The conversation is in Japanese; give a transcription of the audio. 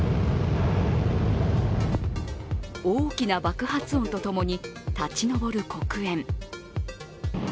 大きな爆発音とともに立ち上る黒煙。